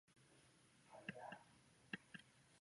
此时日本加紧了对朝鲜的渗透和控制。